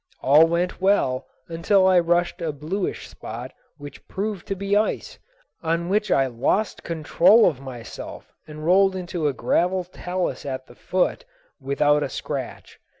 All went well until I reached a bluish spot which proved to be ice, on which I lost control of myself and rolled into a gravel talus at the foot without a scratch.